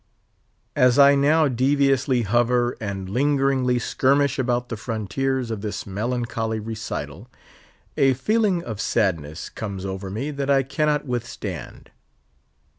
As I now deviously hover and lingeringly skirmish about the frontiers of this melancholy recital, a feeling of sadness comes over me that I cannot withstand.